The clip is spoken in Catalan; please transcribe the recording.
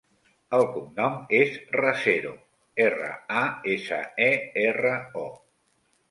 El cognom és Rasero: erra, a, essa, e, erra, o.